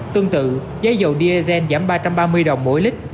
tương tự giá dầu diesel giảm ba trăm ba mươi đồng mỗi lít